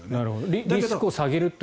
リスクを下げると。